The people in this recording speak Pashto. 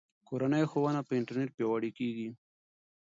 کورنۍ ښوونه په انټرنیټ پیاوړې کیږي.